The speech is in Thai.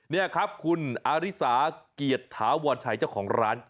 นี่ครับคุณอาริสาเกียรติถาวรชัยเจ้าของร้าน